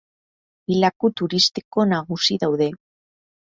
Bi laku turistiko nagusi daude.